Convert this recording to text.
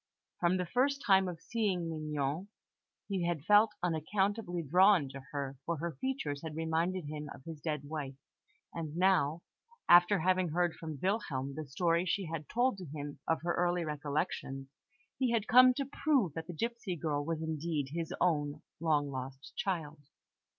From the first time of seeing Mignon, he had felt unaccountably drawn to her, for her features had reminded him of his dead wife; and now, after having heard from Wilhelm the story she had told to him of her early recollections, he had come to prove that the gipsy girl was indeed his own long lost child.